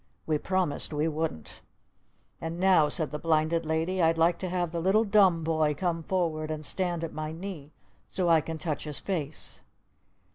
We promised we wouldn't! "And now," said the Blinded Lady, "I'd like to have the Little Dumb Boy come forward and stand at my knee so I can touch his face!"